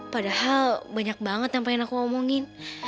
padahal banyak banget yang pengen aku ngomongin